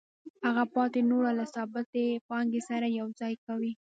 هغه پاتې نوره له ثابتې پانګې سره یوځای کوي